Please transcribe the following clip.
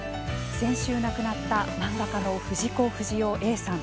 先週亡くなった漫画家の藤子不二雄さん。